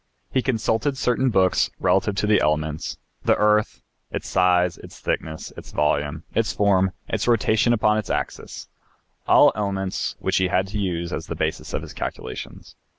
He consulted certain books relative to the elements, the earth its size, its thickness, its volume, its form, its rotation upon its axis all elements which he had to use as the basis of his calculations.